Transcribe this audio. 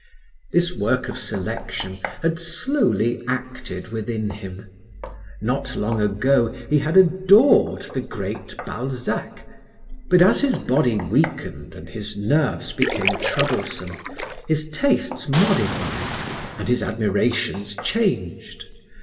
This work of selection had slowly acted within him; not long ago he had adored the great Balzac, but as his body weakened and his nerves became troublesome, his tastes modified and his admirations changed.